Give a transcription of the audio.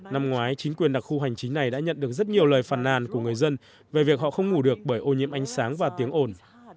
năm ngoái chính quyền đặc khu hành chính này đã nhận được rất nhiều lời phàn nàn của người dân về việc họ không ngủ được bởi ô nhiễm ánh sáng và tiếng ồn